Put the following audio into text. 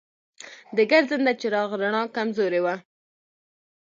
د ګرځنده چراغ رڼا کمزورې وه.